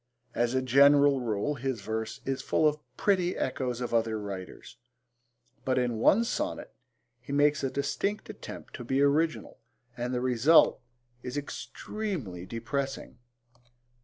As a general rule, his verse is full of pretty echoes of other writers, but in one sonnet he makes a distinct attempt to be original and the result is extremely depressing.